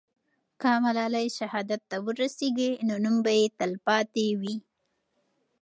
که ملالۍ شهادت ته ورسېږي، نو نوم به یې تل پاتې وي.